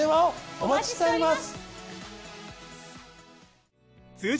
お待ちしております。